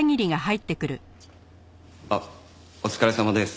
あっお疲れさまです。